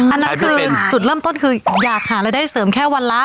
อันนั้นคือจุดเริ่มต้นคืออยากหารายได้เสริมแค่วันละ